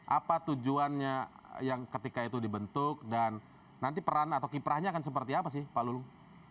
apa tujuannya yang ketika itu dibentuk dan nanti peran atau kiprahnya akan seperti apa sih pak lulung